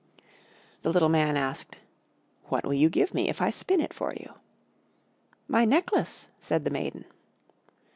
The little Man asked, "What will you give me if I spin it for you?" "My necklace," said the maiden.